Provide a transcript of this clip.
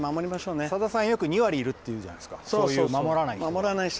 さださん、よく２割いるっていうじゃないですかそういうの守らない人。